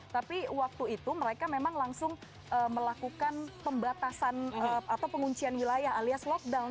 tapi waktu itu mereka memang langsung melakukan pembatasan atau penguncian wilayah alias lockdown